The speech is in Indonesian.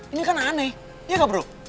ini kan aneh iya gak bro